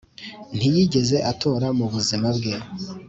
ntiyigeze atora mu buzima bwe,